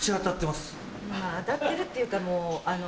まぁ当たってるっていうかもうあの。